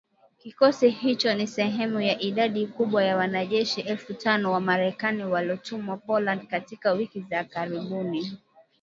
Kikosi hicho ni sehemu ya idadi kubwa ya wanajeshi elfu tano wa Marekani waliotumwa Poland katika wiki za karibuni.